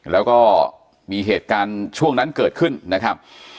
แล้วก็มีเหตุการณ์ช่วงนั้นเกิดขึ้นนะครับ